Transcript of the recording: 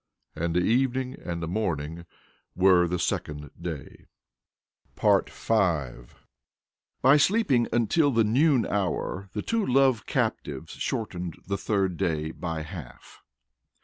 And the evening and the morning were the second day. V. By sleeping until the noon hour the two love captives shortened the third day by half.